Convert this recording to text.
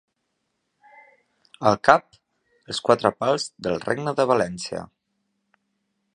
Al cap, els quatre pals del Regne de València.